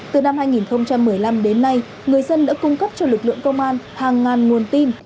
từ năm hai nghìn một mươi năm đến nay người dân đã cung cấp cho lực lượng công an hàng ngàn nguồn tin